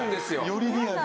よりリアル。